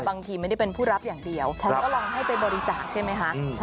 บางทีไม่ได้เป็นผู้รับอย่างเดียวฉันก็ลองให้ไปบริจาคใช่ไหมคะ